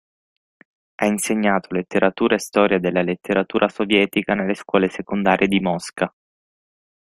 Ha insegnato letteratura e storia della letteratura sovietica nelle scuole secondarie di Mosca.